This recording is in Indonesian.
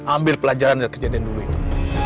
ambil pelajaran dari kejadian dulu itu